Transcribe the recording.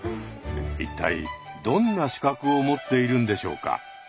一体どんな資格を持っているんでしょうか。